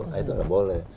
nah itu nggak boleh